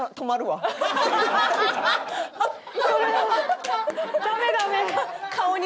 それダメダメ。